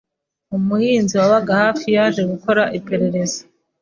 Umuhinzi wabaga hafi yaje gukora iperereza.